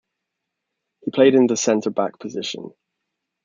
He played in the centre back position.